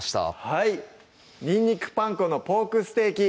はい「にんにくパン粉のポークステーキ」